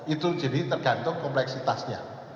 itu jadi tergantung kompleksitasnya